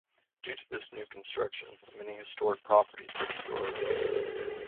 Due to this new construction, many historic properties were destroyed.